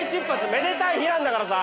めでたい日なんだからさ！